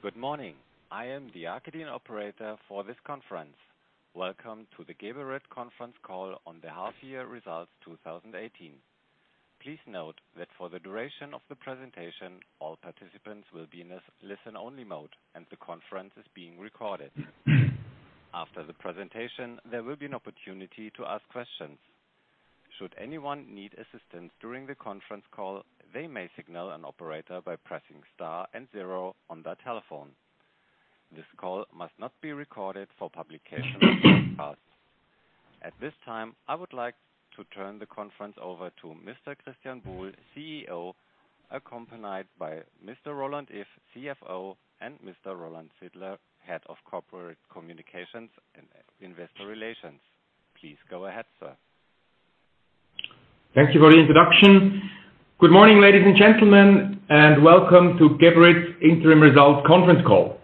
Good morning. I am the operator for this conference. Welcome to the Geberit conference call on the half year results 2018. Please note that for the duration of the presentation, all participants will be in a listen-only mode and the conference is being recorded. After the presentation, there will be an opportunity to ask questions. Should anyone need assistance during the conference call, they may signal an operator by pressing star and zero on their telephone. This call must not be recorded for publication or broadcast. At this time, I would like to turn the conference over to Mr. Christian Buhl, CEO, accompanied by Mr. Roland Iff, CFO, and Mr. Roman Sidler, Head of Corporate Communications and Investor Relations. Please go ahead, sir. Thank you for the introduction. Good morning, ladies and gentlemen, and welcome to Geberit's interim results conference call.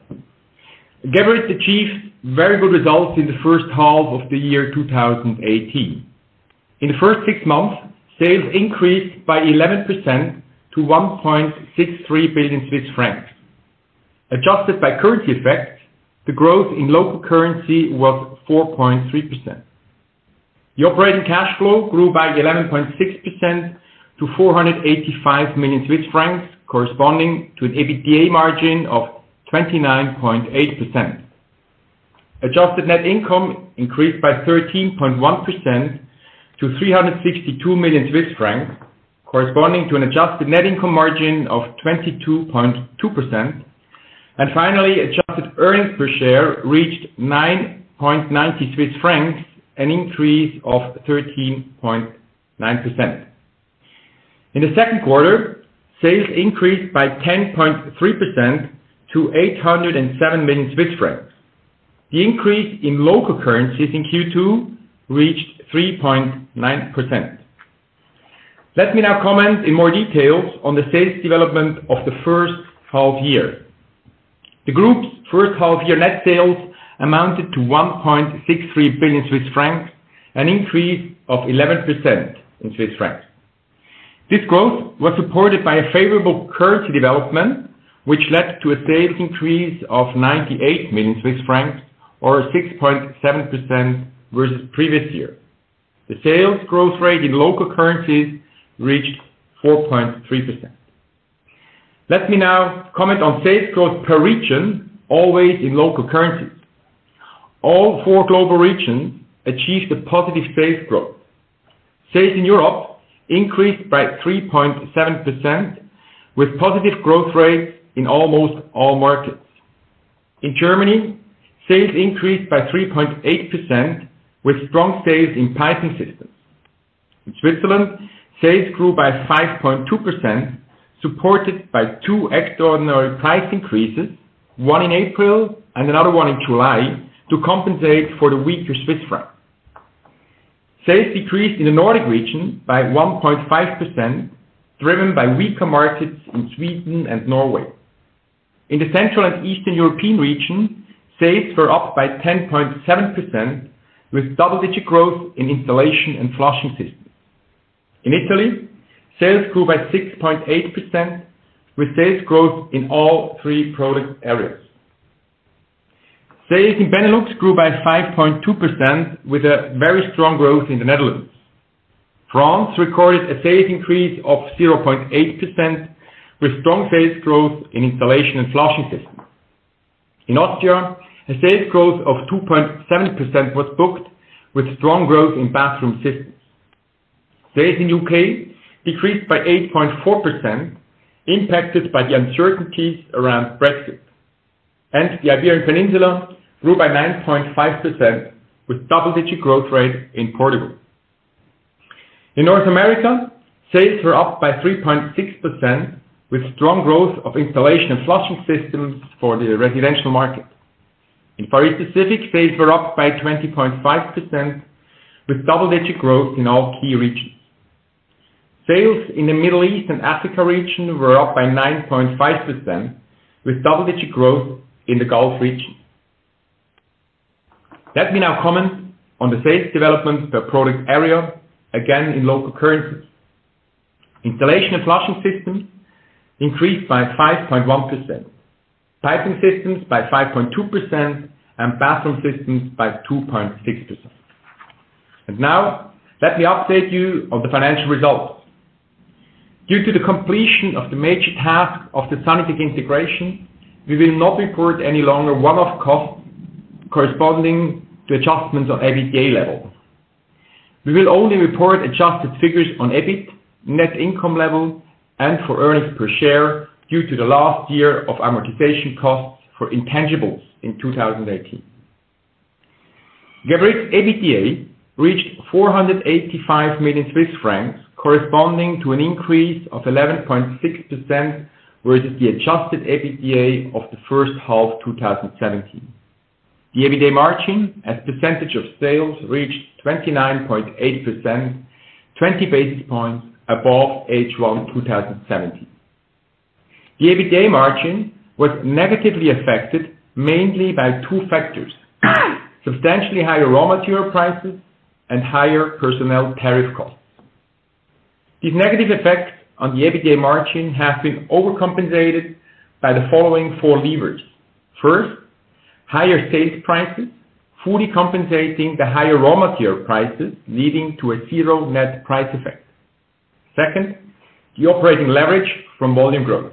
Geberit achieved very good results in the first half of the year 2018. In the first six months, sales increased by 11% to 1.63 billion Swiss francs. Adjusted by currency effects, the growth in local currency was 4.3%. The operating cash flow grew by 11.6% to 485 million Swiss francs, corresponding to an EBITDA margin of 29.8%. Adjusted net income increased by 13.1% to 362 million Swiss francs, corresponding to an adjusted net income margin of 22.2%. Finally, adjusted earnings per share reached 9.90 francs, an increase of 13.9%. In the second quarter, sales increased by 10.3% to 807 million Swiss francs. The increase in local currencies in Q2 reached 3.9%. Let me now comment in more details on the sales development of the first half-year. The group's first half-year net sales amounted to 1.63 billion Swiss francs, an increase of 11% in CHF. This growth was supported by a favorable currency development, which led to a sales increase of 98 million Swiss francs or 6.7% versus previous year. The sales growth rate in local currencies reached 4.3%. Let me now comment on sales growth per region, always in local currencies. All four global regions achieved a positive sales growth. Sales in Europe increased by 3.7% with positive growth rates in almost all markets. In Germany, sales increased by 3.8% with strong sales in Piping Systems. In Switzerland, sales grew by 5.2%, supported by two extraordinary price increases, one in April and another one in July, to compensate for the weaker CHF. Sales decreased in the Nordic region by 1.5%, driven by weaker markets in Sweden and Norway. In the Central and Eastern European region, sales were up by 10.7% with double-digit growth in Installation and Flushing Systems. In Italy, sales grew by 6.8% with sales growth in all three product areas. Sales in Benelux grew by 5.2% with a very strong growth in the Netherlands. France recorded a sales increase of 0.8% with strong sales growth in Installation and Flushing Systems. In Austria, a sales growth of 2.7% was booked with strong growth in Bathroom Systems. Sales in U.K. decreased by 8.4%, impacted by the uncertainties around Brexit. The Iberian Peninsula grew by 9.5% with double-digit growth rate in Portugal. In North America, sales were up by 3.6% with strong growth of Installation and Flushing Systems for the residential market. In Far East Pacific, sales were up by 20.5% with double-digit growth in all key regions. Sales in the Middle East and Africa region were up by 9.5% with double-digit growth in the Gulf region. Let me now comment on the sales development per product area, again, in local currencies. Installation and Flushing Systems increased by 5.1%, Piping Systems by 5.2%, and Bathroom Systems by 2.6%. Now let me update you on the financial results. Due to the completion of the major task of the Sanitec integration, we will not report any longer one-off costs corresponding to adjustments on EBITA level. We will only report adjusted figures on EBIT net income level and for earnings per share due to the last year of amortization costs for intangibles in 2018. Geberit EBITA reached 485 million Swiss francs, corresponding to an increase of 11.6% versus the adjusted EBITA of the first half 2017. The EBITA margin as a percentage of sales reached 29.8%, 20 basis points above H1 2017. The EBITA margin was negatively affected mainly by two factors, substantially higher raw material prices, and higher personnel tariff costs. These negative effects on the EBITA margin have been overcompensated by the following four levers. First, higher sales prices, fully compensating the higher raw material prices, leading to a zero net price effect. Second, the operating leverage from volume growth.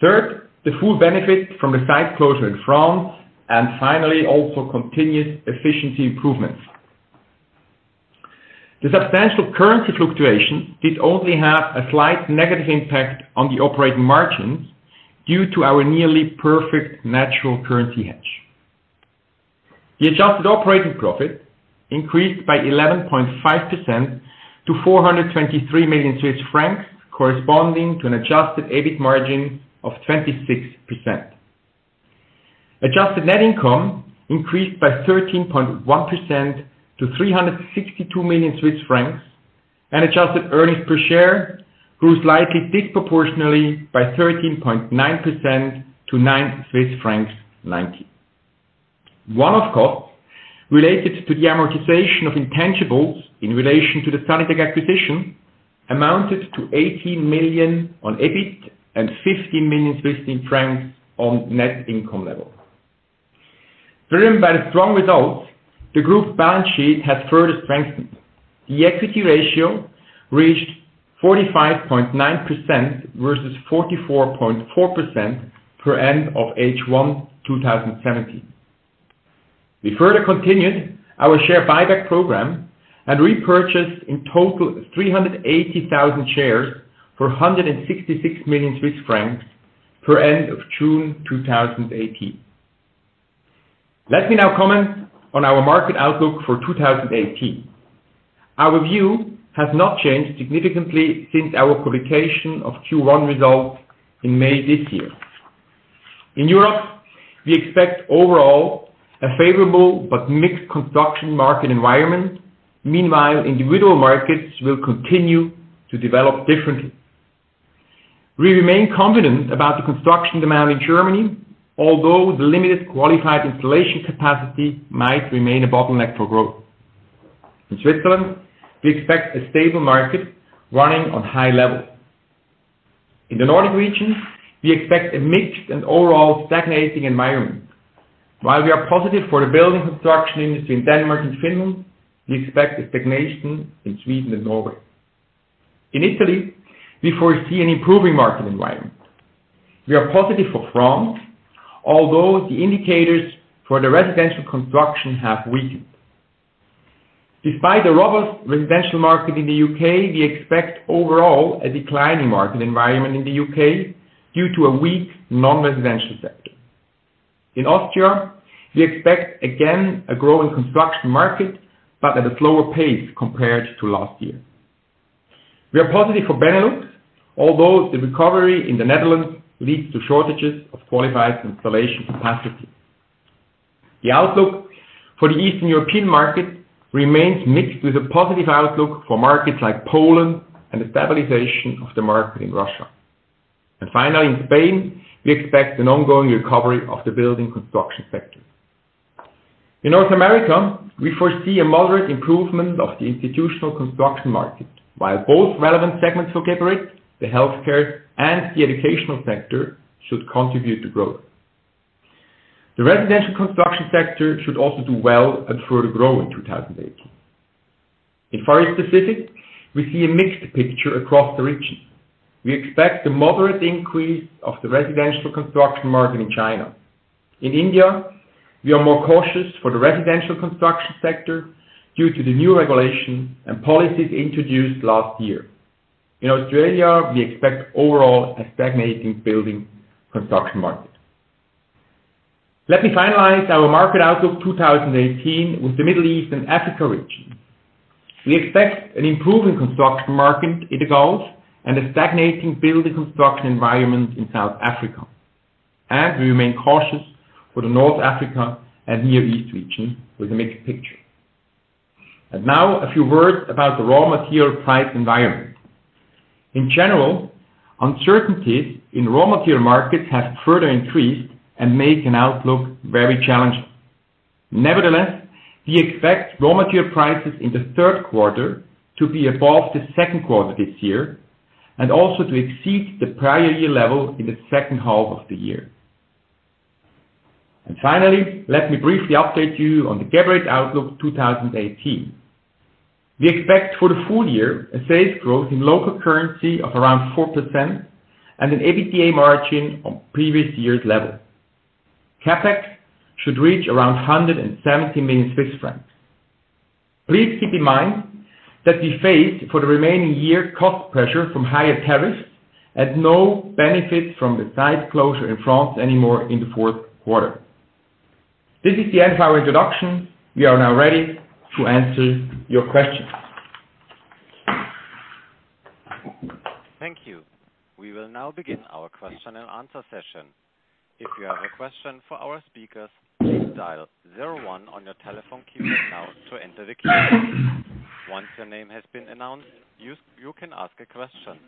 Third, the full benefit from the site closure in France. Finally, also continued efficiency improvements. The substantial currency fluctuation did only have a slight negative impact on the operating margins due to our nearly perfect natural currency hedge. The adjusted operating profit increased by 11.5% to 423 million Swiss francs, corresponding to an adjusted EBIT margin of 26%. Adjusted net income increased by 13.1% to 362 million Swiss francs. Adjusted earnings per share grew slightly disproportionately by 13.9% to 9.90 Swiss francs. One-off costs related to the amortization of intangibles in relation to the Sanitec acquisition amounted to 18 million on EBIT and 15 million Swiss francs on net income level. Driven by the strong results, the group balance sheet has further strengthened. The equity ratio reached 45.9% versus 44.4% per end of H1 2017. We further continued our share buyback program and repurchased in total 380,000 shares for 166 million Swiss francs per end of June 2018. Let me now comment on our market outlook for 2018. Our view has not changed significantly since our publication of Q1 results in May this year. In Europe, we expect overall a favorable but mixed construction market environment. Meanwhile, individual markets will continue to develop differently. We remain confident about the construction demand in Germany, although the limited qualified installation capacity might remain a bottleneck for growth. In Switzerland, we expect a stable market running on high levels. In the Nordic region, we expect a mixed and overall stagnating environment. While we are positive for the building construction industry in Denmark and Finland, we expect a stagnation in Sweden and Norway. In Italy, we foresee an improving market environment. We are positive for France, although the indicators for the residential construction have weakened. Despite the robust residential market in the UK, we expect overall a declining market environment in the UK due to a weak non-residential sector. In Austria, we expect again a growing construction market, but at a slower pace compared to last year. We are positive for Benelux, although the recovery in the Netherlands leads to shortages of qualified installation capacity. The outlook for the Eastern European market remains mixed with a positive outlook for markets like Poland and the stabilization of the market in Russia. Finally, in Spain, we expect an ongoing recovery of the building construction sector. In North America, we foresee a moderate improvement of the institutional construction market, while both relevant segments for Geberit, the healthcare and the educational sector, should contribute to growth. The residential construction sector should also do well and further grow in 2018. In Far East Pacific, we see a mixed picture across the region. We expect a moderate increase of the residential construction market in China. In India, we are more cautious for the residential construction sector due to the new regulation and policies introduced last year. In Australia, we expect overall a stagnating building construction market. Let me finalize our market outlook 2018 with the Middle East and Africa region. We expect an improving construction market in the Gulf and a stagnating building construction environment in South Africa. We remain cautious for the North Africa and Near East region with a mixed picture. Now a few words about the raw material price environment. In general, uncertainties in raw material markets have further increased and make an outlook very challenging. Nevertheless, we expect raw material prices in the third quarter to be above the second quarter this year, also to exceed the prior year level in the second half of the year. Finally, let me briefly update you on the Geberit outlook 2018. We expect for the full year a sales growth in local currency of around 4% and an EBITDA margin on previous year's level. CapEx should reach around 170 million Swiss francs. Please keep in mind that we face, for the remaining year, cost pressure from higher tariffs and no benefit from the site closure in France anymore in the fourth quarter. This is the end of our introduction. We are now ready to answer your questions. Thank you. We will now begin our question and answer session. If you have a question for our speakers, please dial zero one on your telephone keypad now to enter the queue. Once your name has been announced, you can ask a question.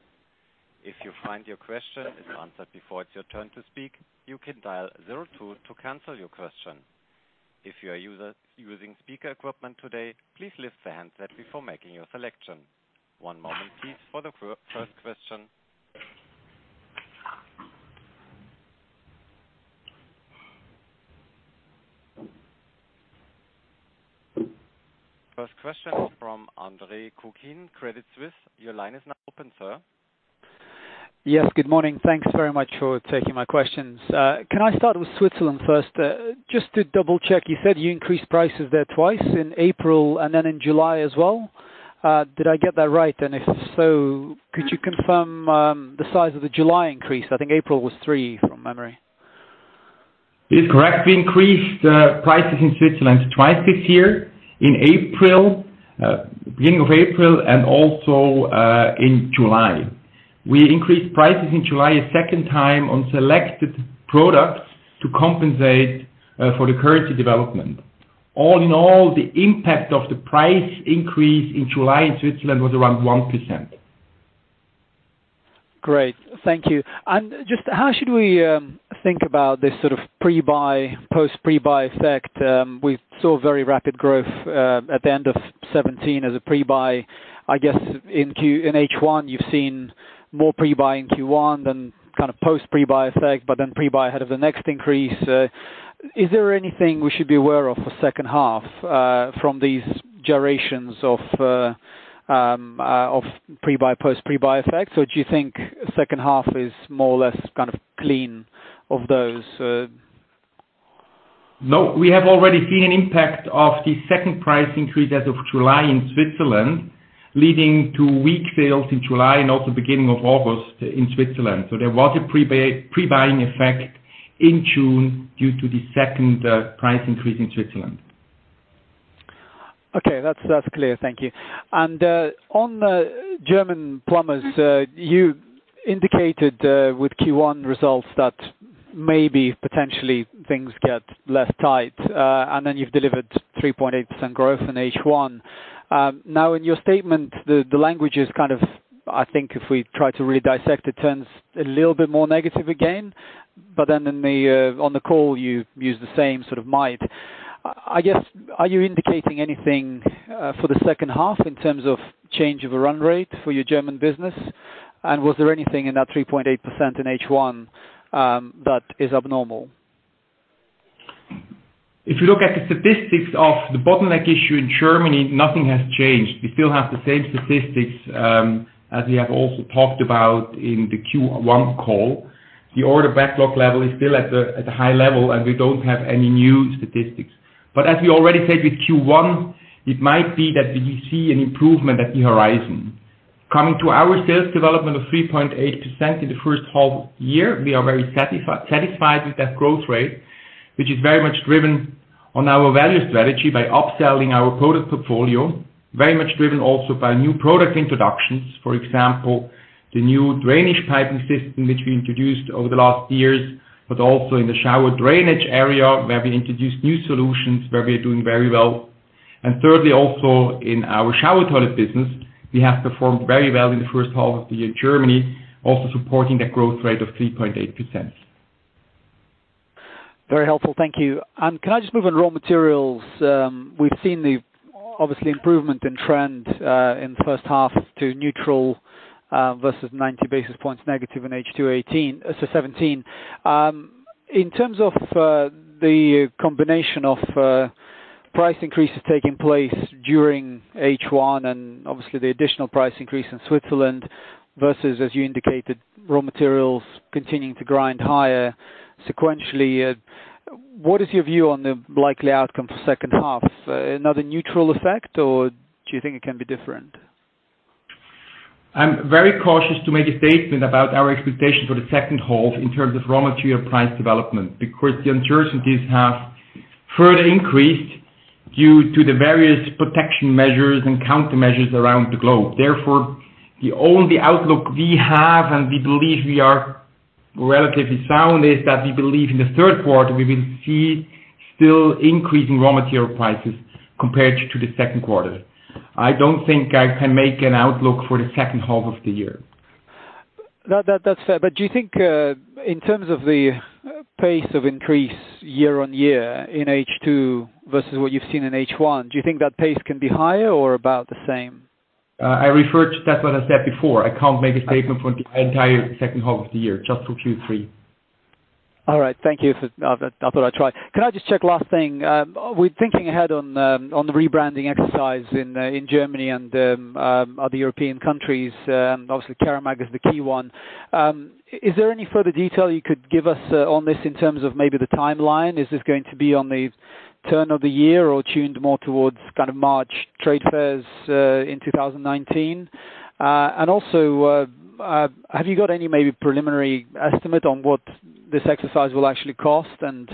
If you find your question is answered before it's your turn to speak, you can dial zero two to cancel your question. If you are using speaker equipment today, please lift the handset before making your selection. One moment please for the first question. First question from Andre Kukhnin, Credit Suisse. Your line is now open, sir. Yes. Good morning. Thanks very much for taking my questions. Can I start with Switzerland first? Just to double-check, you said you increased prices there twice in April and then in July as well. Did I get that right? If so, could you confirm the size of the July increase? I think April was three from memory. Is correct. We increased prices in Switzerland twice this year. In April, beginning of April and also in July. We increased prices in July a second time on selected products to compensate for the currency development. All in all, the impact of the price increase in July in Switzerland was around 1%. Great. Thank you. Just how should we think about this sort of pre-buy, post pre-buy effect? We saw very rapid growth at the end of 2017 as a pre-buy. I guess in H1, you've seen more pre-buy in Q1 than post pre-buy effect. Pre-buy ahead of the next increase. Is there anything we should be aware of for second half from these durations of pre-buy, post pre-buy effects? Do you think second half is more or less kind of clean of those? No. We have already seen an impact of the second price increase as of July in Switzerland, leading to weak sales in July and also beginning of August in Switzerland. There was a pre-buying effect in June due to the second price increase in Switzerland. Okay. That's clear. Thank you. On the German plumbers, you indicated with Q1 results that maybe potentially things get less tight, then you've delivered 3.8% growth in H1. In your statement, the language is kind of, I think if we try to really dissect, it turns a little bit more negative again, on the call, you use the same sort of might. Are you indicating anything for the second half in terms of change of a run rate for your German business? Was there anything in that 3.8% in H1 that is abnormal? If you look at the statistics of the bottleneck issue in Germany, nothing has changed. We still have the same statistics as we have also talked about in the Q1 call. The order backlog level is still at a high level. We don't have any new statistics. As we already said with Q1, it might be that we see an improvement at the horizon. Coming to our sales development of 3.8% in the first half year, we are very satisfied with that growth rate, which is very much driven on our value strategy by upselling our product portfolio, very much driven also by new product introductions. For example, the new drainage Piping Systems which we introduced over the last years, in the shower drainage area, where we introduced new solutions where we are doing very well. Thirdly, also in our shower toilet business, we have performed very well in the first half of the year in Germany, also supporting that growth rate of 3.8%. Very helpful. Thank you. Can I just move on raw materials? We've seen the obviously improvement in trend, in the first half to neutral, versus 90 basis points negative in H2 2018, so 2017. In terms of the combination of price increases taking place during H1 and obviously the additional price increase in Switzerland versus, as you indicated, raw materials continuing to grind higher sequentially, what is your view on the likely outcome for second half? Another neutral effect, or do you think it can be different? I'm very cautious to make a statement about our expectation for the second half in terms of raw material price development, because the uncertainties have further increased due to the various protection measures and countermeasures around the globe. Therefore, the only outlook we have, and we believe we are relatively sound, is that we believe in the third quarter we will see still increasing raw material prices compared to the second quarter. I don't think I can make an outlook for the second half of the year. That's fair. Do you think, in terms of the pace of increase year-on-year in H2 versus what you've seen in H1, do you think that pace can be higher or about the same? I referred to that what I said before. I can't make a statement for the entire second half of the year, just for Q3. All right. Thank you for that. I thought I'd try. Can I just check last thing? We're thinking ahead on the rebranding exercise in Germany and other European countries. Obviously Keramag is the key one. Is there any further detail you could give us on this in terms of maybe the timeline? Is this going to be on the turn of the year or tuned more towards March trade fairs, in 2019? Also, have you got any maybe preliminary estimate on what this exercise will actually cost and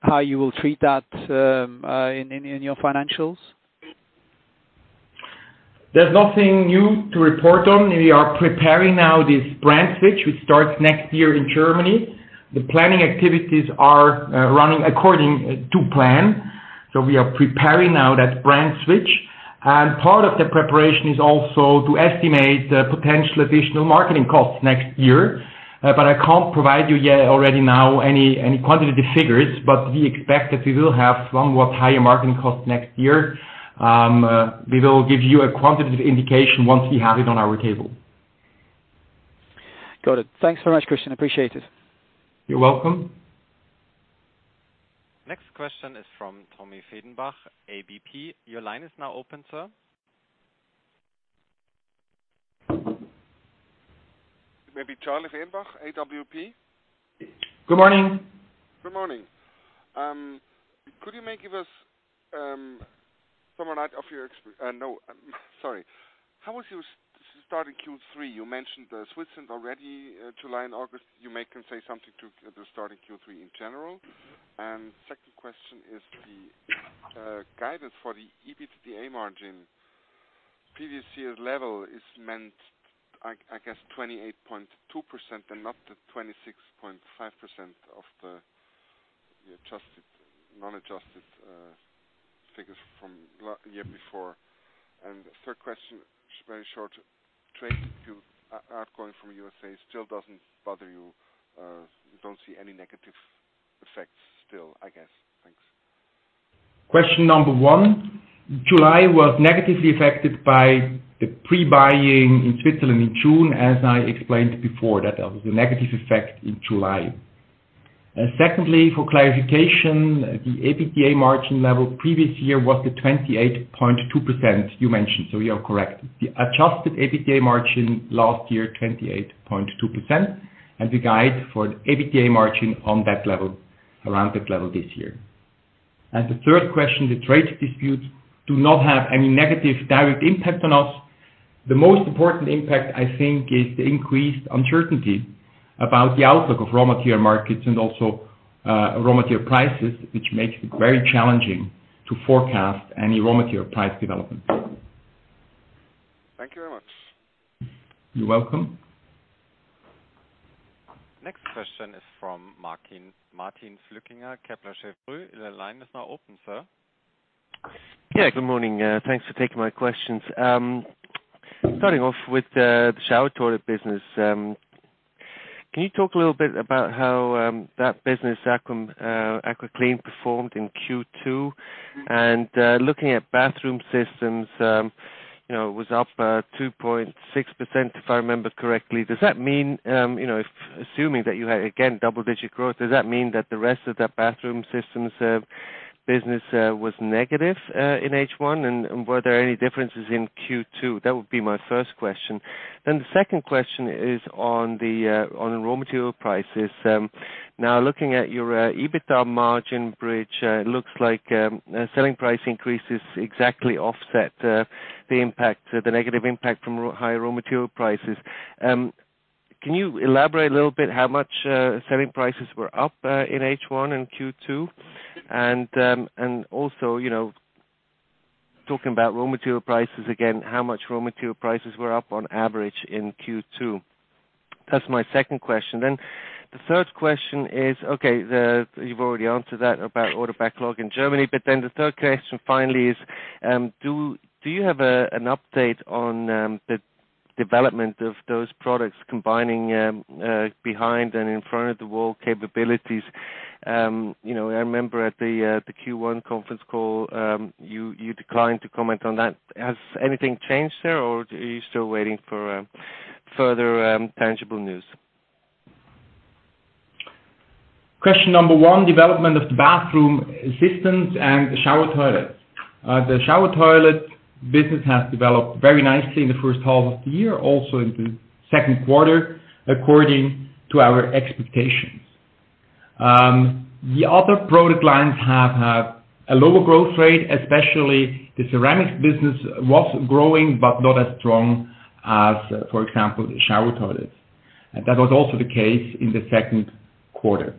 how you will treat that in your financials? There's nothing new to report on. We are preparing now this brand switch, which starts next year in Germany. The planning activities are running according to plan. We are preparing now that brand switch. Part of the preparation is also to estimate the potential additional marketing costs next year. I can't provide you yet already now any quantitative figures, but we expect that we will have somewhat higher marketing costs next year. We will give you a quantitative indication once we have it on our table. Got it. Thanks very much, Christian. Appreciate it. You're welcome. Next question is from Tommy Feidenbach, AWP. Your line is now open, sir. Maybe Charlie Fehrenbach, AWP. Good morning. Good morning. How was your start in Q3? You mentioned Switzerland already, July and August, you may can say something to the start of Q3 in general. Second question is the guidance for the EBITDA margin. Previous year's level is meant, I guess, 28.2% and not the 26.5% of the non-adjusted figures from year before. Third question, very short. Trade dispute ongoing from U.S.A. still doesn't bother you. You don't see any negative effects still, I guess. Thanks. Question number one, July was negatively affected by the pre-buying in Switzerland in June, as I explained before, that was a negative effect in July. Secondly, for clarification, the EBITDA margin level previous year was the 28.2% you mentioned. You are correct. The adjusted EBITDA margin last year, 28.2%, and we guide for the EBITDA margin on that level, around that level this year. The third question, the trade disputes do not have any negative direct impact on us. The most important impact, I think, is the increased uncertainty about the outlook of raw material markets and also raw material prices, which makes it very challenging to forecast any raw material price development. Thank you very much. You're welcome. Next question is from Martin Flückiger, Kepler Cheuvreux. Your line is now open, sir. Good morning. Thanks for taking my questions. Starting off with the shower toilet business. Can you talk a little bit about how that business, AquaClean, performed in Q2? Looking at Bathroom Systems, it was up 2.6%, if I remember correctly. Assuming that you had, again, double-digit growth, does that mean that the rest of that Bathroom Systems business was negative in H1, and were there any differences in Q2? That would be my first question. The second question is on raw material prices. Now looking at your EBITDA margin bridge, it looks like selling price increases exactly offset the negative impact from higher raw material prices. Can you elaborate a little bit how much selling prices were up in H1 and Q2? Also, talking about raw material prices again, how much raw material prices were up on average in Q2? That's my second question. You've already answered that about order backlog in Germany, the third question finally is, do you have an update on the development of those products combining behind and in front of the wall capabilities? I remember at the Q1 conference call, you declined to comment on that. Has anything changed there, or are you still waiting for further tangible news? Question number one, development of the Bathroom Systems and the shower toilets. The shower toilet business has developed very nicely in the first half of the year, also in the second quarter, according to our expectations. The other product lines have had a lower growth rate, especially the ceramic business was growing, but not as strong as, for example, the shower toilets. That was also the case in the second quarter.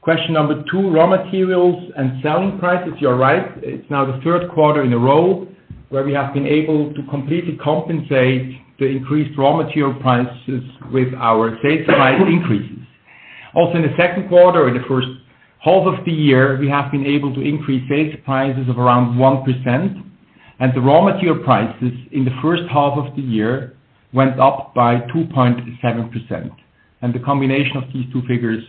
Question number two, raw materials and selling prices. You're right. It's now the third quarter in a row where we have been able to completely compensate the increased raw material prices with our sales price increases. Also in the second quarter or the first half of the year, we have been able to increase sales prices of around 1%, and the raw material prices in the first half of the year went up by 2.7%. The combination of these two figures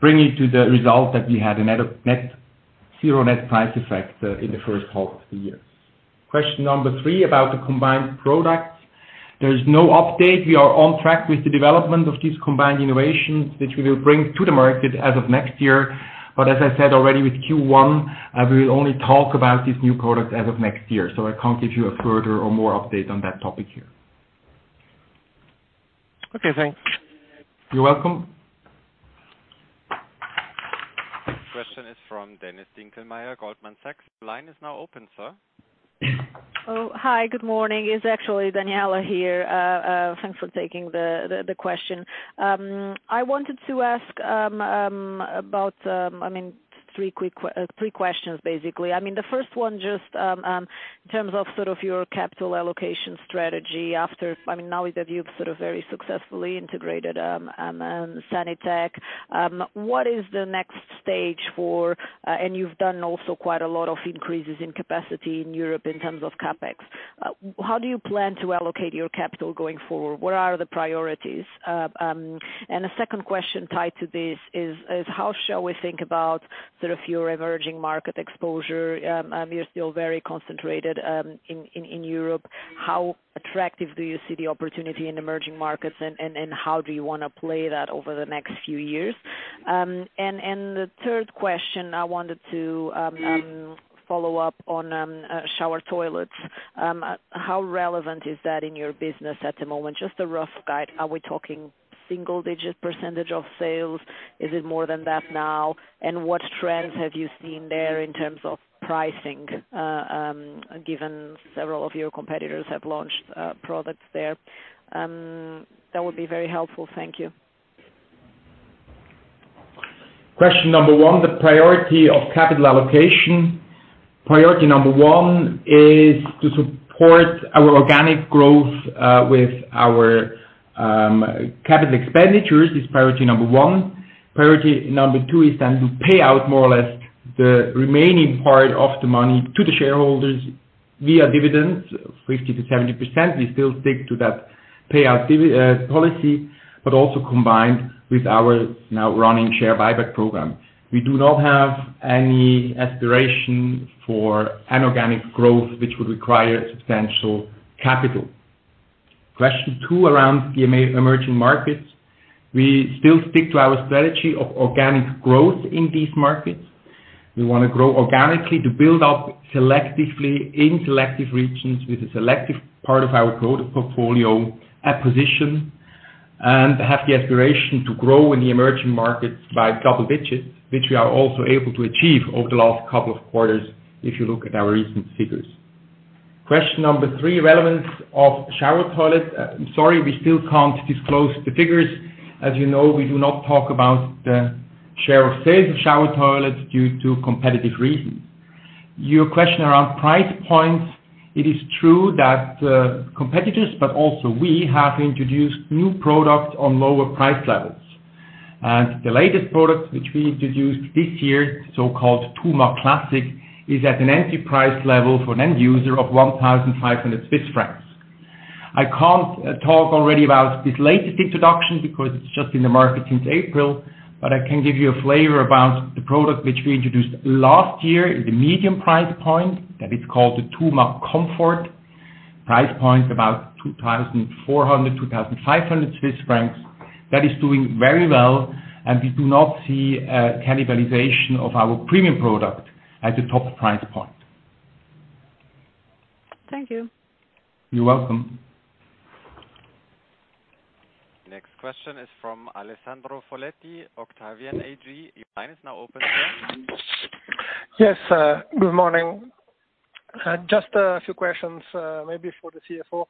bring you to the result that we had a zero net price effect in the first half of the year. Question number three about the combined products. There is no update. We are on track with the development of these combined innovations, which we will bring to the market as of next year. As I said already with Q1, we will only talk about these new products as of next year. I can't give you a further or more update on that topic here. Okay, thanks. You're welcome. Question is from Dennis Dinkelmeyer, Goldman Sachs. Line is now open, sir. Hi. Good morning. It's actually Daniela here. Thanks for taking the question. I wanted to ask about three questions, basically. The first one just in terms of your capital allocation strategy. Now that you've very successfully integrated Sanitec, what is the next stage 4, and you've done also quite a lot of increases in capacity in Europe in terms of CapEx. How do you plan to allocate your capital going forward? What are the priorities? A second question tied to this is how shall we think about your emerging market exposure? You're still very concentrated in Europe. How attractive do you see the opportunity in emerging markets, and how do you want to play that over the next few years? The third question I wanted to follow up on shower toilets. How relevant is that in your business at the moment? Just a rough guide. Are we talking single-digit percentage of sales? Is it more than that now? What trends have you seen there in terms of pricing, given several of your competitors have launched products there? That would be very helpful. Thank you. Question number one, the priority of capital allocation. Priority number one is to support our organic growth with our capital expenditures, is priority number one. Priority number two is to pay out more or less the remaining part of the money to the shareholders via dividends, 50%-70%. We still stick to that payout policy, also combined with our now running share buyback program. We do not have any aspiration for inorganic growth, which would require substantial capital. Question two, around emerging markets. We still stick to our strategy of organic growth in these markets. We want to grow organically to build up selectively in selective regions with a selective part of our product portfolio acquisition, have the aspiration to grow in the emerging markets by double digits, which we are also able to achieve over the last couple of quarters, if you look at our recent figures. Question number three, relevance of shower toilets. I'm sorry, we still can't disclose the figures. As you know, we do not talk about the share of sales of shower toilets due to competitive reasons. Your question around price points, it is true that competitors, also we have introduced new products on lower price levels. The latest product which we introduced this year, so-called Geberit AquaClean Tuma Classic, is at an entry price level for an end user of 1,500 Swiss francs. I can't talk already about this latest introduction because it's just in the market since April, I can give you a flavor about the product which we introduced last year in the medium price point, that it's called the AquaClean Tuma Comfort. Price point about 2,400-2,500 Swiss francs. That is doing very well, we do not see cannibalization of our premium product at the top price point. Thank you. You're welcome. Next question is from Alessandro Foletti, Octavian AG. Your line is now open, sir. Yes, good morning. Just a few questions, maybe for the CFO.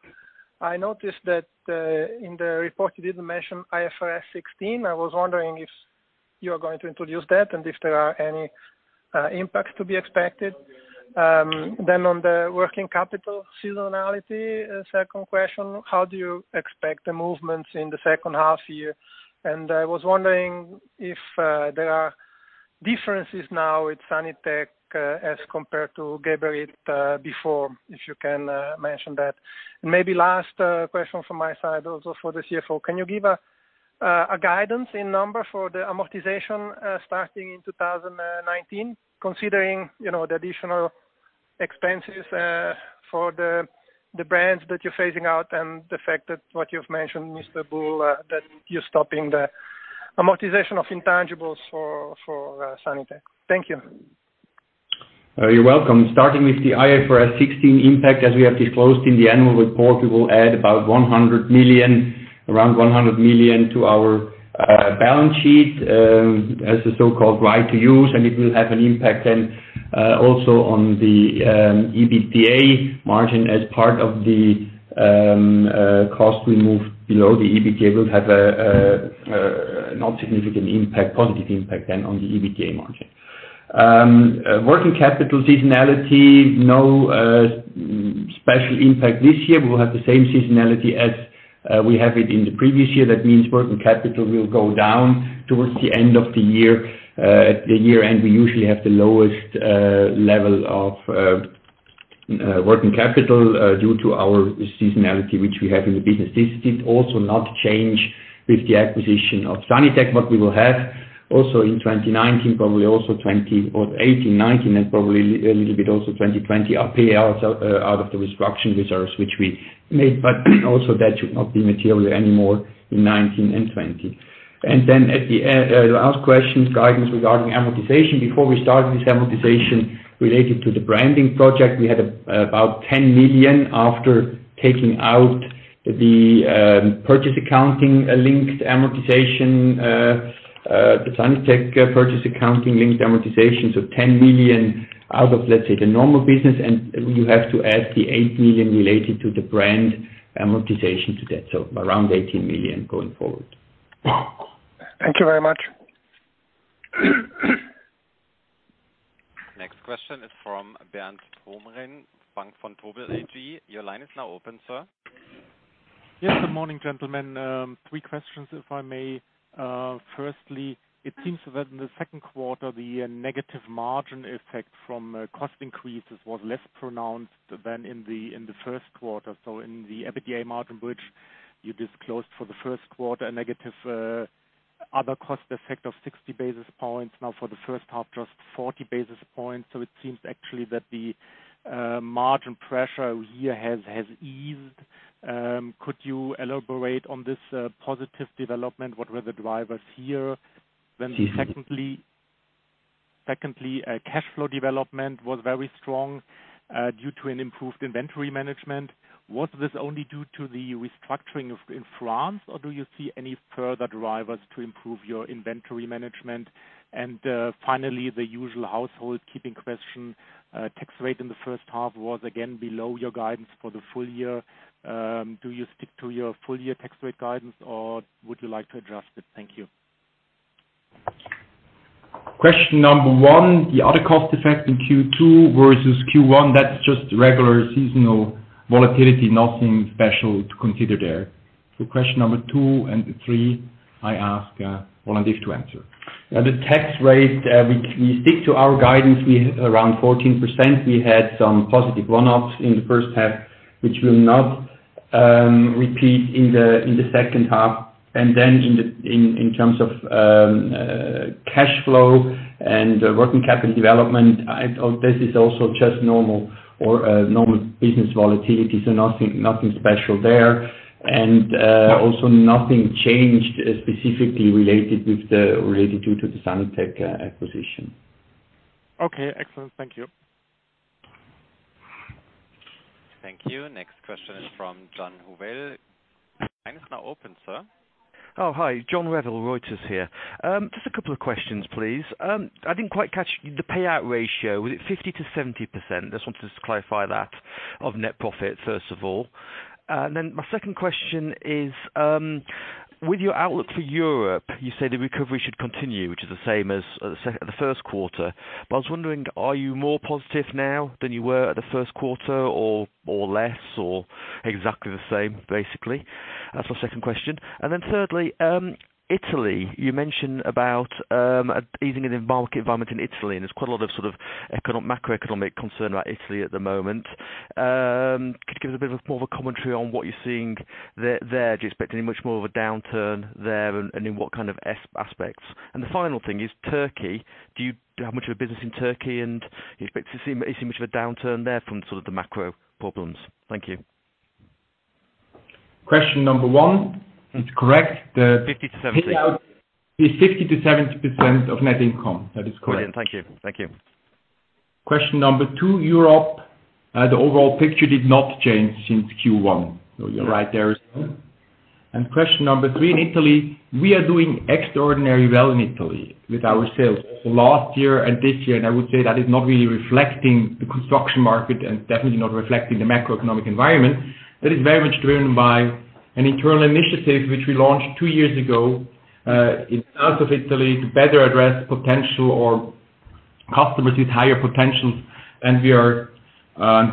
I noticed that in the report you didn't mention IFRS 16. I was wondering if you are going to introduce that and if there are any impacts to be expected. On the working capital seasonality, second question, how do you expect the movements in the second half-year? I was wondering if there are differences now with Sanitec as compared to Geberit before. If you can mention that. Maybe last question from my side also for the CFO, can you give a guidance in number for the amortization starting in 2019, considering the additional expenses for the brands that you're phasing out and the fact that what you've mentioned, Mr. Buhl, that you're stopping the amortization of intangibles for Sanitec. Thank you. You're welcome. Starting with the IFRS 16 impact, as we have disclosed in the annual report, we will add around 100 million to our balance sheet as the so-called right to use. It will have an impact then also on the EBITDA margin as part of the cost we move below the EBITDA will have a not significant impact, positive impact then on the EBITDA margin. Working capital seasonality, no special impact this year. We will have the same seasonality as we have it in the previous year. That means working capital will go down towards the end of the year. At the year-end, we usually have the lowest level of working capital due to our seasonality which we have in the business. This did also not change with the acquisition of Sanitec, we will have also in 2019, probably also 2018, 2019, and probably a little bit also 2020, payouts out of the restructuring reserves which we made. Also that should not be material anymore in 2019 and 2020. At the end, last question is guidance regarding amortization. Before we started this amortization related to the branding project, we had about 10 million after taking out the purchase accounting linked amortization, the Sanitec purchase accounting linked amortization. 10 million out of, let's say, the normal business, and you have to add the 8 million related to the brand amortization to that. Around 18 million going forward. Thank you very much. Next question is from Bernd Pomrehn, Bank Vontobel AG. Your line is now open, sir. Yes. Good morning, gentlemen. Three questions, if I may. Firstly, it seems that in the second quarter, the negative margin effect from cost increases was less pronounced than in the first quarter. In the EBITDA margin, which you disclosed for the first quarter, a negative other cost effect of 60 basis points. Now for the first half, just 40 basis points. It seems actually that the margin pressure here has eased. Could you elaborate on this positive development? What were the drivers here? Secondly, cash flow development was very strong due to an improved inventory management. Was this only due to the restructuring in France, or do you see any further drivers to improve your inventory management? Finally, the usual housekeeping question. Tax rate in the first half was again below your guidance for the full year. Do you stick to your full-year tax rate guidance, or would you like to adjust it? Thank you. Question number one, the other cost effect in Q2 versus Q1, that's just regular seasonal volatility. Nothing special to consider there. Question number two and three, I ask Roland Iff to answer. The tax rate, we stick to our guidance around 14%. We had some positive one-offs in the first half, which will not repeat in the second half. In terms of cash flow and working capital development, this is also just normal business volatility, so nothing special there. Also nothing changed specifically related to the Sanitec acquisition. Okay. Excellent. Thank you. Thank you. Next question is from John Revell. Line is now open, sir. Oh, hi. John Revell, Reuters here. Just a couple of questions, please. I didn't quite catch the payout ratio. Was it 50%-70%? Just wanted to clarify that, of net profit, first of all. My second question is, with your outlook for Europe, you say the recovery should continue, which is the same as the first quarter. I was wondering, are you more positive now than you were at the first quarter or less or exactly the same, basically? That's my second question. Thirdly, Italy. You mentioned about easing in the market environment in Italy, and there's quite a lot of macroeconomic concern about Italy at the moment. Could you give us a bit more of a commentary on what you're seeing there? Do you expect any much more of a downturn there, and in what kind of aspects? The final thing is Turkey. Do you have much of a business in Turkey, and do you expect to see much of a downturn there from sort of the macro problems? Thank you. Question number 1, it's correct. 50%-70% payout is 50%-70% of net income. That is correct. Brilliant. Thank you. Question number two, Europe. The overall picture did not change since Q1. You're right there as well. Question number three, in Italy, we are doing extraordinarily well in Italy with our sales last year and this year. I would say that is not really reflecting the construction market and definitely not reflecting the macroeconomic environment. That is very much driven by an internal initiative which we launched two years ago in parts of Italy to better address potential or customers with higher potential, and we are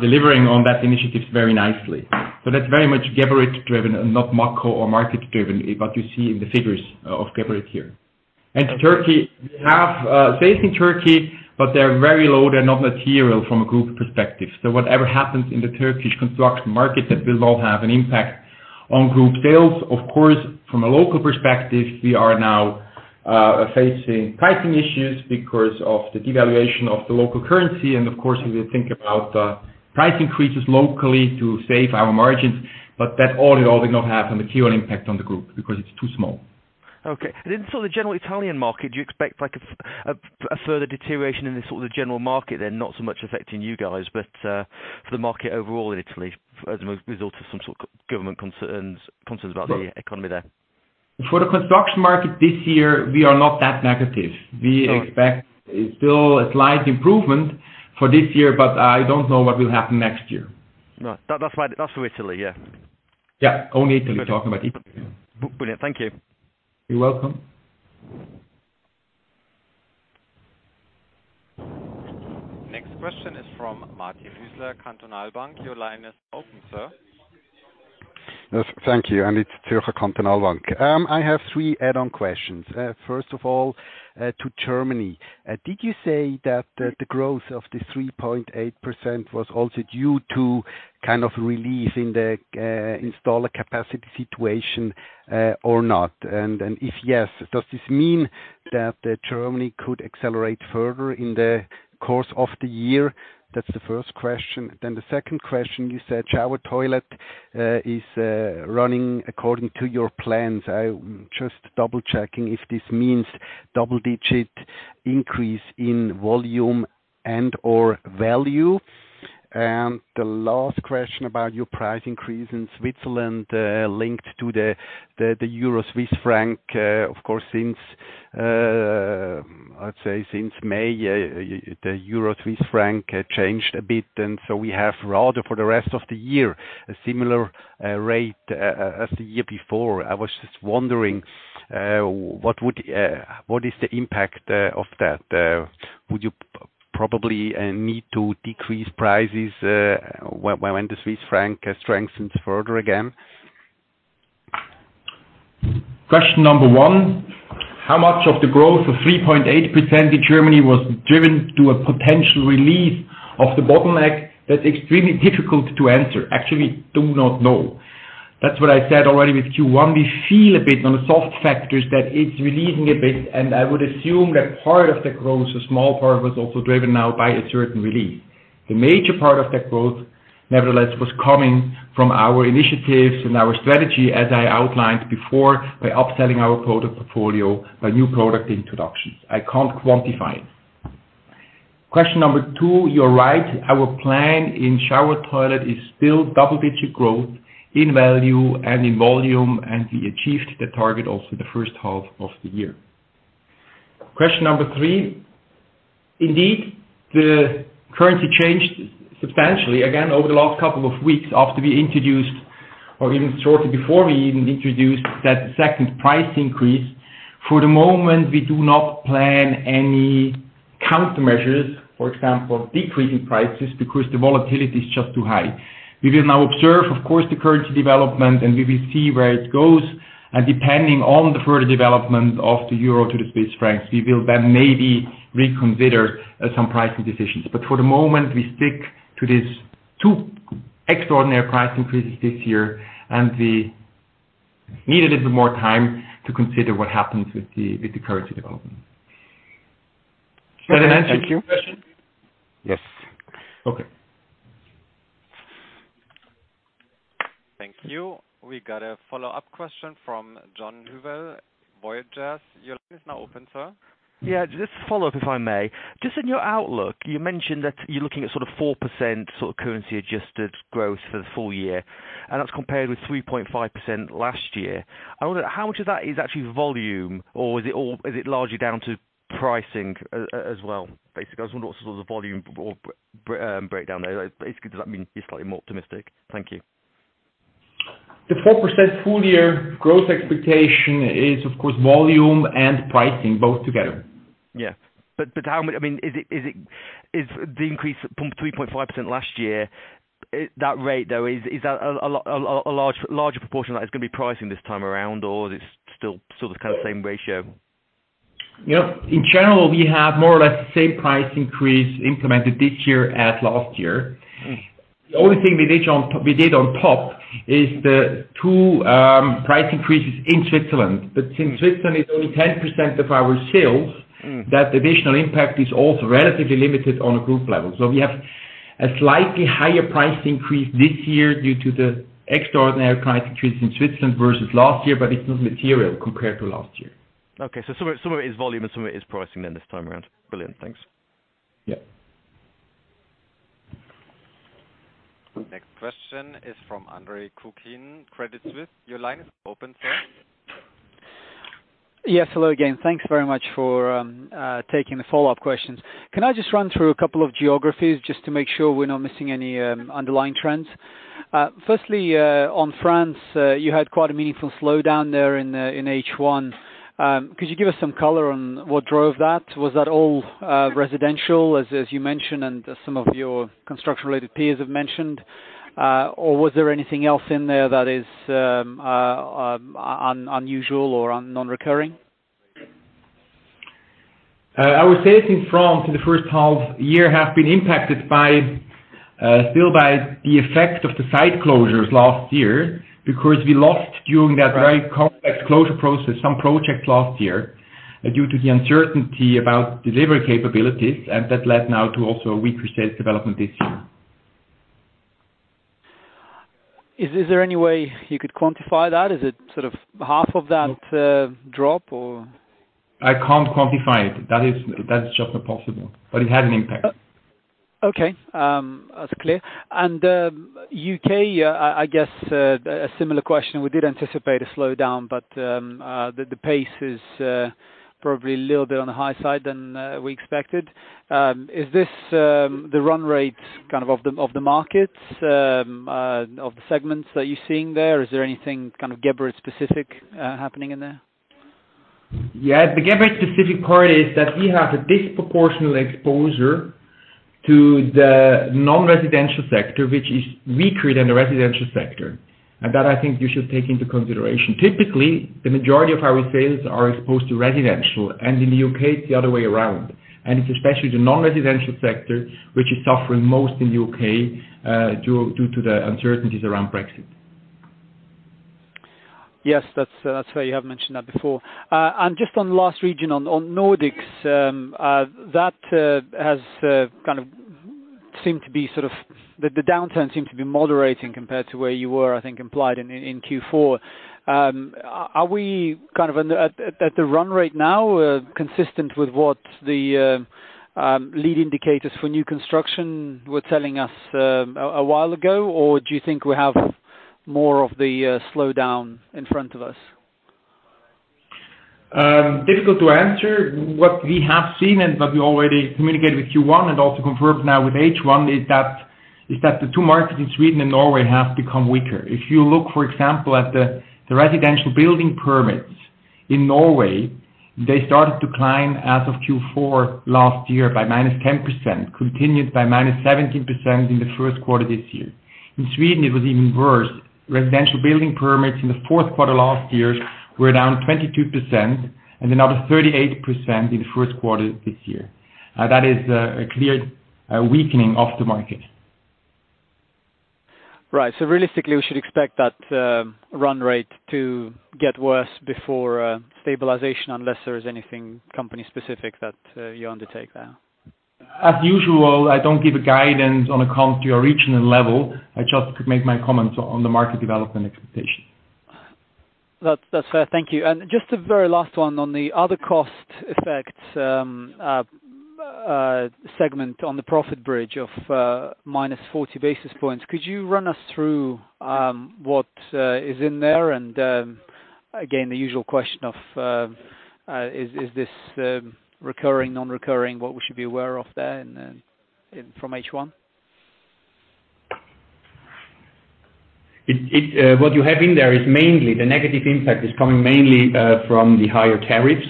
delivering on that initiative very nicely. That's very much Geberit-driven and not macro or market-driven, but you see in the figures of Geberit here. Turkey, we have sales in Turkey, but they are very low. They are not material from a group perspective. Whatever happens in the Turkish construction market, that will not have an impact on group sales. Of course, from a local perspective, we are now facing pricing issues because of the devaluation of the local currency. Of course, we will think about price increases locally to save our margins. That all in all will not have a material impact on the group because it's too small. Okay. In sort of the general Italian market, do you expect a further deterioration in the general market there? Not so much affecting you guys, but for the market overall in Italy as a result of some sort of government concerns about the economy there? For the construction market this year, we are not that negative. We expect still a slight improvement for this year, but I don't know what will happen next year. No, that's for Italy, yeah. Yeah. Only Italy, talking about Italy. Brilliant. Thank you. You're welcome. Next question is from Martin Hüsler, Zürcher Kantonalbank. Your line is open, sir. Yes. Thank you. It's Zürcher Kantonalbank. I have three add-on questions. First of all, to Germany. Did you say that the growth of the 3.8% was also due to kind of relief in the installer capacity situation or not? If yes, does this mean that Germany could accelerate further in the course of the year? That's the first question. The second question, you said shower toilet is running according to your plans. I'm just double-checking if this means double-digit increase in volume and/or value. The last question about your price increase in Switzerland, linked to the euro-Swiss franc. Of course, I'd say since May, the euro-Swiss franc changed a bit, we have rather for the rest of the year, a similar rate as the year before. I was just wondering, what is the impact of that? Would you probably need to decrease prices when the Swiss franc strengthens further again. Question number one, how much of the growth of 3.8% in Germany was driven to a potential relief of the bottleneck? That's extremely difficult to answer. Actually, do not know. That's what I said already with Q1. We feel a bit on the soft factors that it's releasing a bit, and I would assume that part of the growth, a small part, was also driven now by a certain relief. The major part of that growth, nevertheless, was coming from our initiatives and our strategy, as I outlined before, by upselling our product portfolio, by new product introductions. I can't quantify it. Question number two, you're right, our plan in shower toilet is still double-digit growth in value and in volume, and we achieved the target also the first half of the year. Question number three, indeed, the currency changed substantially again over the last couple of weeks after we introduced, or even shortly before we even introduced that second price increase. For the moment, we do not plan any countermeasures, for example, decreasing prices because the volatility is just too high. We will now observe, of course, the currency development, and we will see where it goes, and depending on the further development of the euro to the Swiss francs, we will then maybe reconsider some pricing decisions. For the moment, we stick to these two extraordinary price increases this year, and we need a little more time to consider what happens with the currency development. Does that answer your question? Thank you. Yes. Okay. Thank you. We got a follow-up question from John Revill, Reuters. Your line is now open, sir. Yeah, just a follow-up, if I may. Just in your outlook, you mentioned that you're looking at sort of 4% currency-adjusted growth for the full year, and that's compared with 3.5% last year. I wonder, how much of that is actually volume, or is it largely down to pricing as well? Basically, I just wonder what's the volume breakdown there. Basically, does that mean you're slightly more optimistic? Thank you. The 4% full-year growth expectation is, of course, volume and pricing both together. Yeah. Is the increase from 3.5% last year, that rate, though, is that a larger proportion that is going to be pricing this time around, or is it still the same ratio? In general, we have more or less the same price increase implemented this year as last year. The only thing we did on top is the 2 price increases in Switzerland. Since Switzerland is only 10% of our sales- that additional impact is also relatively limited on a group level. We have a slightly higher price increase this year due to the extraordinary price increase in Switzerland versus last year, but it's not material compared to last year. Okay, some of it is volume and some of it is pricing then this time around. Brilliant. Thanks. Yeah. Next question is from Andre Kukhnin, Credit Suisse. Your line is open, sir. Yes, hello again. Thanks very much for taking the follow-up questions. Can I just run through a couple of geographies just to make sure we're not missing any underlying trends? Firstly, on France, you had quite a meaningful slowdown there in H1. Could you give us some color on what drove that? Was that all residential, as you mentioned, and as some of your construction-related peers have mentioned? Or was there anything else in there that is unusual or non-recurring? I would say things from the first half year have been impacted still by the effect of the site closures last year, because we lost during that very complex closure process, some projects last year, due to the uncertainty about delivery capabilities, and that led now to also a weaker sales development this year. Is there any way you could quantify that? Is it sort of half of that drop? I can't quantify it. That's just not possible. It had an impact. Okay. That's clear. U.K., I guess, a similar question. We did anticipate a slowdown, but the pace is probably a little bit on the high side than we expected. Is this the run rate of the markets, of the segments that you're seeing there? Is there anything kind of Geberit specific happening in there? Yeah, the Geberit specific part is that we have a disproportional exposure to the non-residential sector, which is weaker than the residential sector. That I think you should take into consideration. Typically, the majority of our sales are exposed to residential, and in the U.K., it's the other way around. It's especially the non-residential sector, which is suffering most in the U.K. due to the uncertainties around Brexit. Yes, that's fair. You have mentioned that before. Just on last region, on Nordics, the downturn seemed to be moderating compared to where you were, I think, implied in Q4. Are we at the run rate now, consistent with what the lead indicators for new construction were telling us a while ago? Or do you think we have more of the slowdown in front of us? Difficult to answer. What we have seen, what we already communicated with Q1 and also confirmed now with H1, is that the two markets in Sweden and Norway have become weaker. If you look, for example, at the residential building permits In Norway, they started to climb as of Q4 last year by -10%, continued by -17% in the first quarter this year. In Sweden, it was even worse. Residential building permits in the fourth quarter last year were down 22% and another 38% in the first quarter this year. That is a clear weakening of the market. Right. Realistically, we should expect that run rate to get worse before stabilization unless there is anything company specific that you undertake there. As usual, I don't give a guidance on a country or regional level. I just make my comments on the market development expectation. That's fair. Thank you. Just a very last one on the other cost effect segment on the profit bridge of -40 basis points. Could you run us through what is in there? Again, the usual question of, is this recurring, non-recurring? What we should be aware of there from H1? What you have in there is mainly the negative impact is coming mainly from the higher tariffs.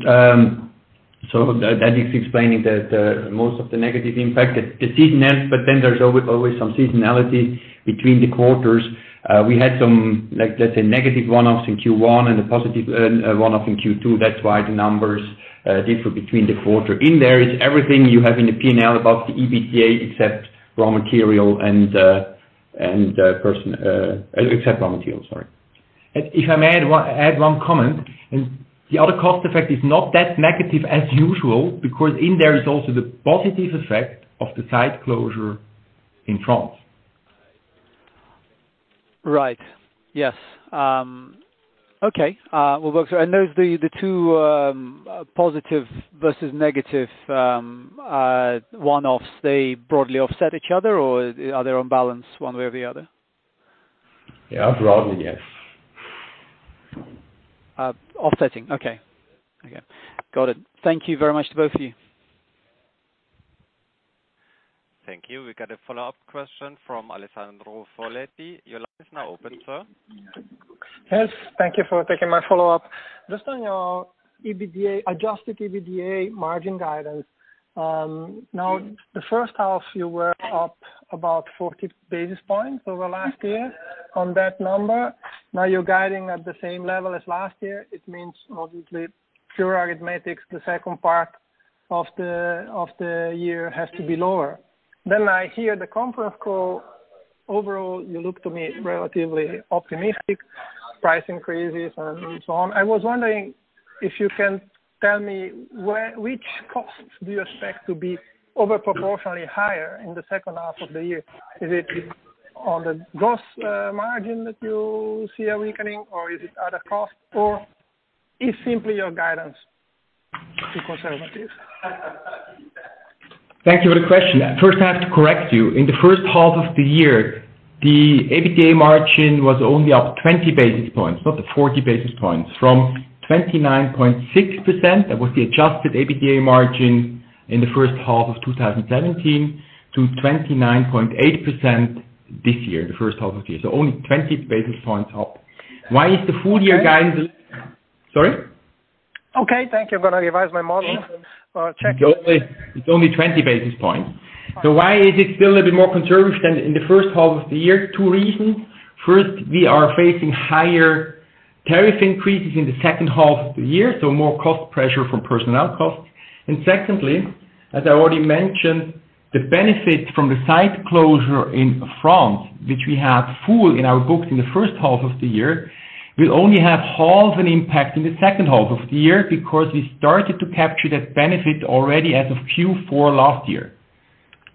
That is explaining that most of the negative impact. There's always some seasonality between the quarters. We had some, let's say, negative one-offs in Q1 and a positive one-off in Q2. That's why the numbers differ between the quarter. In there is everything you have in the P&L above the EBITA except raw material, sorry. If I may add one comment, the other cost effect is not that negative as usual, because in there is also the positive effect of the site closure in France. Right. Yes. Okay. Those, the two positive versus negative one-offs, they broadly offset each other, or are they on balance one way or the other? Yeah, broadly, yes. Offsetting, okay. Got it. Thank you very much to both of you. Thank you. We got a follow-up question from Alessandro Foletti. Your line is now open, sir. Yes, thank you for taking my follow-up. Just on your adjusted EBITDA margin guidance. Now, the first half, you were up about 40 basis points over last year on that number. Now you're guiding at the same level as last year. It means obviously pure arithmetics, the second part of the year has to be lower. I hear the conference call, overall, you look to me relatively optimistic, price increases and so on. I was wondering if you can tell me which costs do you expect to be over proportionally higher in the second half of the year? Is it on the gross margin that you see a weakening, or is it other costs, or is simply your guidance too conservative? Thank you for the question. First, I have to correct you. In the first half of the year, the EBITA margin was only up 20 basis points, not the 40 basis points. From 29.6%, that was the adjusted EBITA margin in the first half of 2017, to 29.8% this year, the first half of the year. Only 20 basis points up. Why is the full year guidance? Okay. Sorry? Okay, thank you. I'm going to revise my model or check. It's only 20 basis points. Why is it still a bit more conservative than in the first half of the year? Two reasons. First, we are facing higher tariff increases in the second half of the year, more cost pressure from personnel costs. Secondly, as I already mentioned, the benefit from the site closure in France, which we have full in our books in the first half of the year, will only have half an impact in the second half of the year because we started to capture that benefit already as of Q4 last year.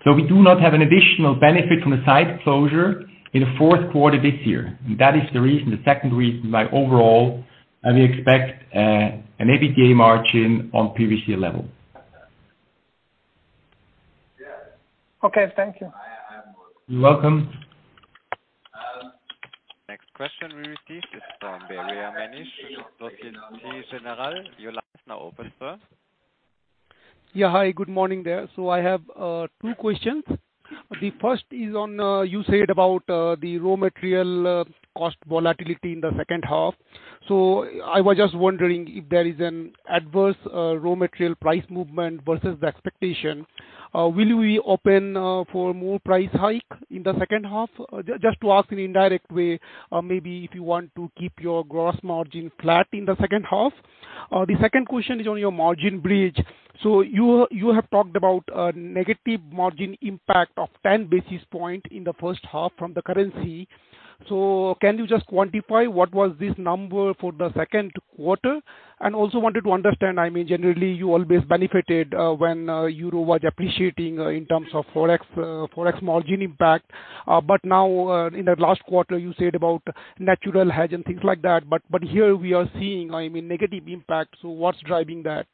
We do not have an additional benefit from the site closure in the fourth quarter this year. That is the reason, the second reason why overall, we expect an EBITA margin on previous year's level. Okay, thank you. You're welcome. Next question we received is from Manish from Societe Generale. Your line is now open, sir. Hi. Good morning there. I have two questions. The first is on, you said about the raw material cost volatility in the second half. I was just wondering if there is an adverse raw material price movement versus the expectation. Will you be open for more price hike in the second half? Just to ask in an indirect way, maybe if you want to keep your gross margin flat in the second half. The second question is on your margin bridge. You have talked about a negative margin impact of 10 basis points in the first half from the currency. Can you just quantify what was this number for the second quarter? And also wanted to understand, generally, you always benefited when Euro was appreciating in terms of forex margin impact. Now, in that last quarter, you said about natural hedge and things like that. Here we are seeing, negative impact. What's driving that?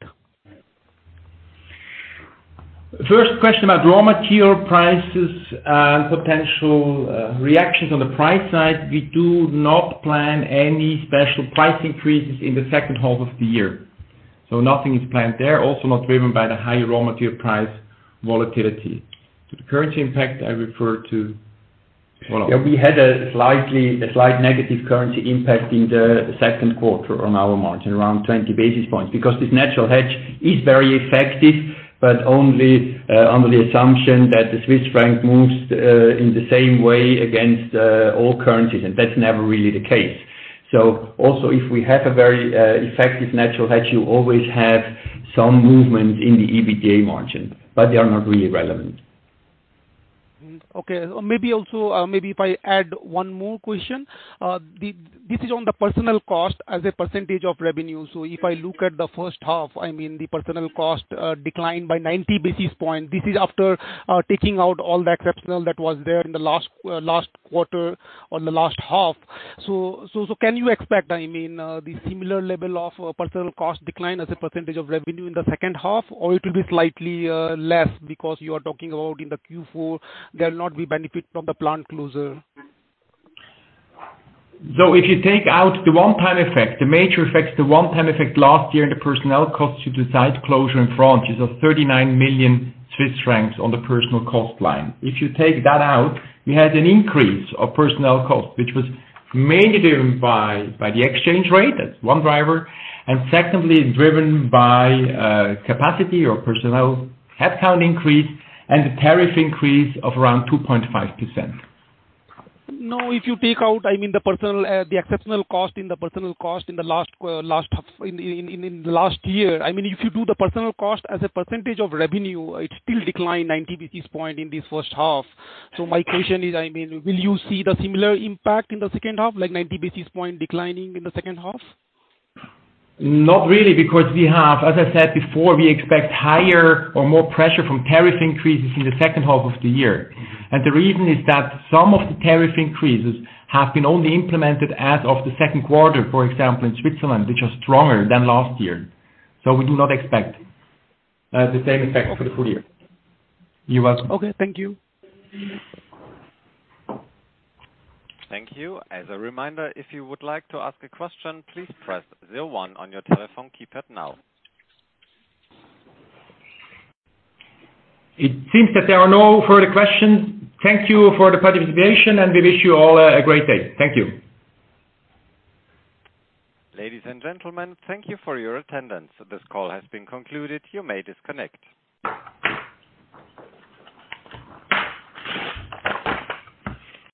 First question about raw material prices and potential reactions on the price side. We do not plan any special price increases in the second half of the year. Nothing is planned there, also not driven by the high raw material price volatility. The currency impact I referred to. We had a slight negative currency impact in the second quarter on our margin, around 20 basis points, because this natural hedge is very effective, but only under the assumption that the Swiss franc moves in the same way against all currencies, and that's never really the case. Also, if we have a very effective natural hedge, you always have some movement in the EBITDA margin, but they are not really relevant. Okay. Maybe if I add one more question. This is on the personnel cost as a percentage of revenue. If I look at the first half, the personnel cost declined by 90 basis points. This is after taking out all the exceptional that was there in the last quarter or the last half. Can you expect the similar level of personnel cost decline as a percentage of revenue in the second half, or it will be slightly less because you are talking about in the Q4, there will not be benefit from the plant closure? If you take out the one-time effect, the major effects, the one-time effect last year in the personnel cost due to site closure in France is of 39 million Swiss francs on the personnel cost line. If you take that out, we had an increase of personnel cost, which was mainly driven by the exchange rate, that's one driver. Secondly, driven by capacity or personnel headcount increase and a tariff increase of around 2.5%. Now, if you take out the exceptional cost in the personnel cost in the last year, if you do the personnel cost as a percentage of revenue, it still declined 90 basis point in this first half. My question is, will you see the similar impact in the second half, like 90 basis point declining in the second half? Not really, because we have, as I said before, we expect higher or more pressure from tariff increases in the second half of the year. The reason is that some of the tariff increases have been only implemented as of the second quarter, for example, in Switzerland, which are stronger than last year. We do not expect the same effect for the full year. You're welcome. Okay. Thank you. Thank you. As a reminder, if you would like to ask a question, please press 01 on your telephone keypad now. It seems that there are no further questions. Thank you for the participation, and we wish you all a great day. Thank you. Ladies and gentlemen, thank you for your attendance. This call has been concluded. You may disconnect.